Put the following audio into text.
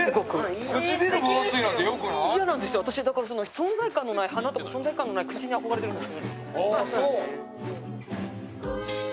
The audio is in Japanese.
存在感のない鼻とか存在感のない口に憧れてるんです。